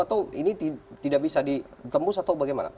atau ini tidak bisa ditembus atau bagaimana